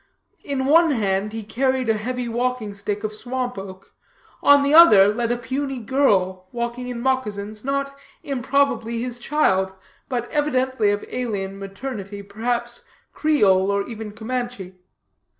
In one hand he carried a heavy walking stick of swamp oak; with the other, led a puny girl, walking in moccasins, not improbably his child, but evidently of alien maternity, perhaps Creole, or even Camanche.